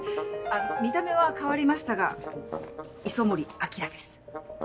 見た目は変わりましたが磯森晶です。